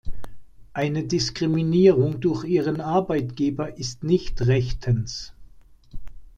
Eine Diskriminierung durch ihren Arbeitgeber ist nicht rechtens.